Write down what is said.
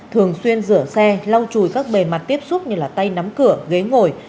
thường xuyên rửa xe lau chùi các bề mặt tiếp xúc như tay nắm cửa ghế ngồi